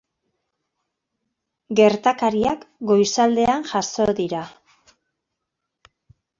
Gertakariak goizaldean jazo dira.